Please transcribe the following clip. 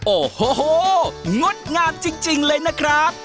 โอ้โหงดงามจริงเลยนะครับ